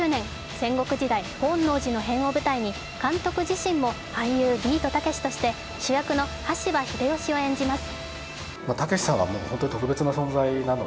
戦国時代、本能寺の変を舞台に監督自身も俳優・ビートたけしとして主役の羽柴秀吉を演じます。